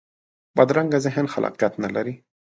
بدرنګه ذهن خلاقیت نه لري